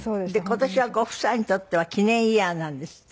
今年はご夫妻にとっては記念イヤーなんですって？